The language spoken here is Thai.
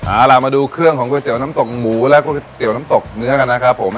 เอาล่ะมาดูเครื่องของก๋วยเตี๋ยวน้ำตกหมูแล้วก็ก๋วยเตี๋ยวน้ำตกเนื้อกันนะครับผม